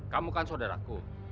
kamu kan saudaraku